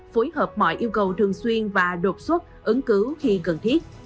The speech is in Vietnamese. phối hợp mọi yêu cầu thường xuyên và đột xuất ứng cứu khi cần thiết